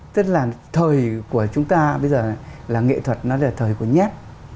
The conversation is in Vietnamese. tức là thời của chúng ta bây giờ là nghệ thuật nó là thời của nhép